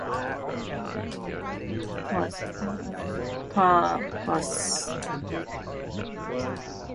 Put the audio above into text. Luxembourg was portrayed as elegant, perhaps referring to its wealth and luxurious lifestyle.